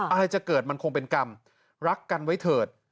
อะไรจะเกิดมันคงเป็นกรรมรักกันไว้เถิด